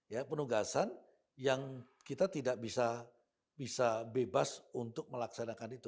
ya penugasan yang kita tidak bisa bebas untuk melaksanakan itu